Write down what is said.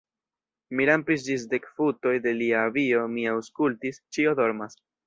Mi rampis ĝis dek futoj de lia abio, mi aŭskultis: ĉio dormas.